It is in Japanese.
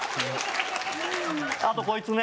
あとこいつね